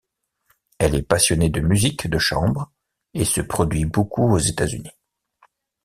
Elle est passionnée de musique de chambre, et se produit beaucoup aux États-Unis.